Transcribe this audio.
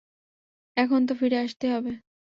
এখন তো ফিরে আসতেই হবে।